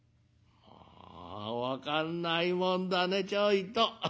「ああ分かんないもんだねちょいと。